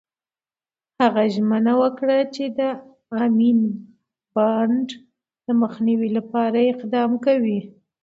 هغه ژمنه وکړه، د امین بانډ د مخنیوي لپاره اقدام کوي.